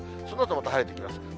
そのあとまた晴れてきます。